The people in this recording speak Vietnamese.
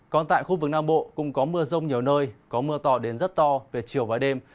còn tại khu vực nam bộ cũng có mưa rông nhiều nơi có mưa to đến rất to về chiều và đêm